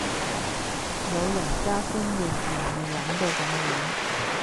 老人家觀念唔預諗到咁遠